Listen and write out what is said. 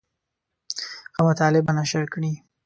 ښه مطالب به نشر کړي.